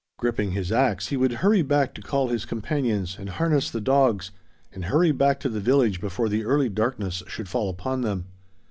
Gripping his ax he would hurry back to call his companions and harness the dogs and hurry back to the village before the early darkness should fall upon them.